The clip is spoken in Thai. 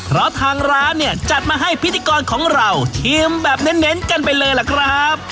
เพราะทางร้านเนี่ยจัดมาให้พิธีกรของเราชิมแบบเน้นกันไปเลยล่ะครับ